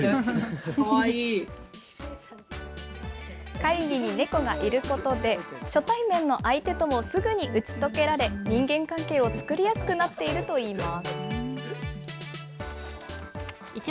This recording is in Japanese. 会議に猫がいることで、初対面の相手ともすぐに打ち解けられ、人間関係を作りやすくなっているといいます。